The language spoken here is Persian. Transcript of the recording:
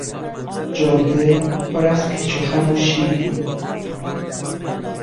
جاده پر از پیچ و خم و شیب بود.